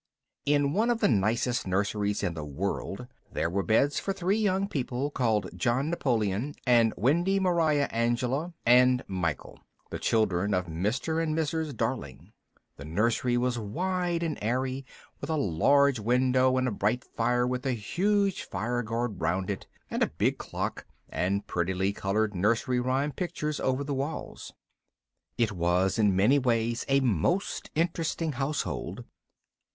In one of the nicest nurseries in the world there were beds for three young people called John Napoleon, and Wendy Moira Angela, and Michael, the children of Mr. and Mrs. Darling. The nursery was wide and airy, with a large window, and a bright fire with a high fire guard round it, and a big clock, and prettily coloured nursery rhyme pictures over the walls. It was in many ways a most interesting household.